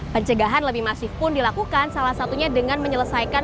pencegahan lebih masif pun dilakukan salah satunya dengan menyelesaikan